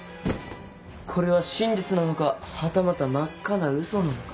これは真実なのかはたまた真っ赤なうそなのか。